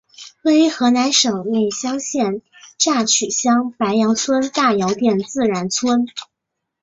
位于河南省内乡县乍曲乡白杨村大窑店自然村。